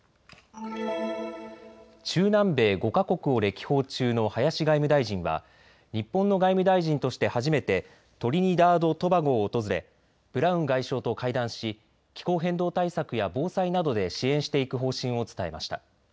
中南米５か国を歴訪中の林外務大臣は日本の外務大臣として初めてトリニダード・トバゴを訪れ、ブラウン外相と会談し気候変動対策や防災などで支援していく方針を伝えました。